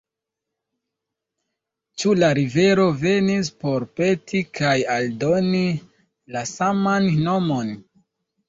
Ĉu la rivero venis por peti kaj aldoni la saman nomon?